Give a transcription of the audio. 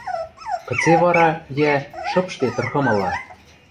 Кыце вара, йӓ, шыпшде тырхымыла?